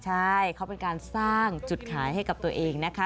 ใช่เขาเป็นการสร้างจุดขายให้กับตัวเองนะคะ